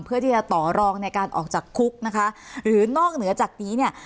เพื่อที่จะต่อรองในการออกจากคุกนะคะหรือนอกเหนือจากนี้เนี่ย